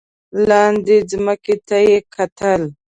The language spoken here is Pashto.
لاندې ځمکې ته یې کتل.